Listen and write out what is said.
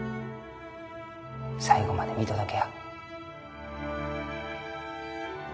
最後まで見届けや。